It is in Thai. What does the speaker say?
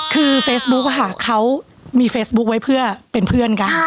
คือเฟซบุ๊กค่ะเขามีเฟซบุ๊คไว้เพื่อเป็นเพื่อนกัน